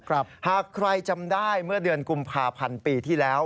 หากใครจำได้เมื่อเดือนกุมภาพันธ์ปีที่แล้ว